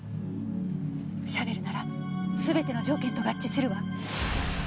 シャベルなら全ての条件と合致するわ。